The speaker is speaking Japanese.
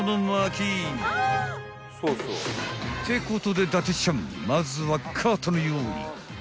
［ってことで伊達ちゃんまずはカートの用意］